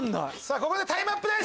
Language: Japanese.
ここでタイムアップです！